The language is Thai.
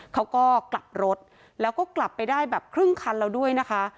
เขาก็กลับรถแล้วก็กลับไปได้แบบครึ่งคันแล้วด้วยนะคะ